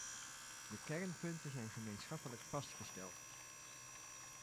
De kernpunten zijn gemeenschappelijk vastgesteld.